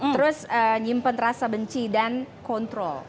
terus nyimpen rasa benci dan kontrol